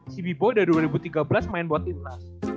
si bibo udah dua ribu tiga belas main buat timlas